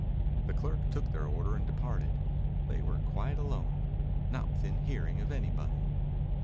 The clerk took their order and departed. They were quite alone, not within hearing of anybody.